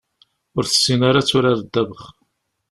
Ur tessin ara ad turar ddabex.